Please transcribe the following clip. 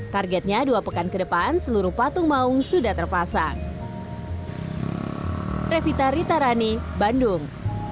targetnya dua pekan ke depan seluruh patung maung sudah terpasang